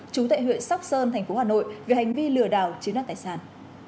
chú tệ huyện sóc sơn thành phố hà nội về hành vi lừa đảo chứa năng tài sản